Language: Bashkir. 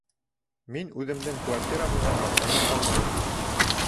Мин үҙемдең квартирам менән маҡтана алмайым